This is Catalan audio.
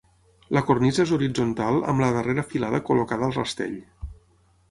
La cornisa és horitzontal amb la darrera filada col·locada al rastell.